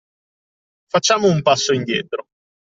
Facciamo un passo indietro.